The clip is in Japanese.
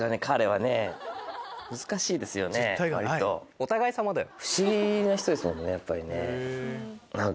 お互いさまだよ！